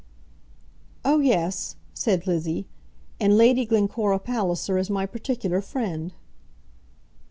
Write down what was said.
"Oh yes," said Lizzie, "and Lady Glencora Palliser is my particular friend."